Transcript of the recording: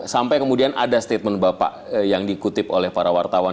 sampai kemudian ada statement bapak yang dikutip oleh para wartawan